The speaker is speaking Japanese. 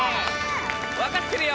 分かってるよ